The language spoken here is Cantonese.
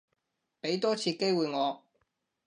畀多次機會我